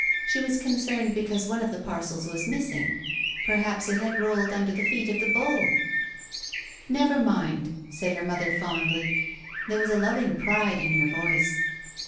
NShe was concerned because one of the parcels was missing. Perhaps it had rolled under the feet of the bull ?... v "Never mind," said her mother fondly. There was a loving pride in her voice.